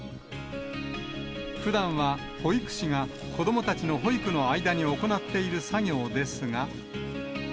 ふだんは保育士が、子どもたちの保育の間に行っている作業ですが。